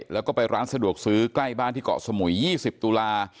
แล้วก็ไปร้านสะดวกซื้อใกล้บ้านที่เกาะสมุย๒๐ตุลา